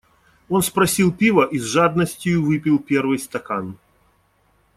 Он спросил пива и с жадностию выпил первый стакан.